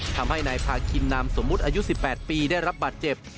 ทำให้นายพาคินนามสมมุติอายุ๑๘ปีได้รับบาดเจ็บ